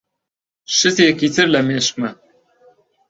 شتێکی تر لە مێشکمە.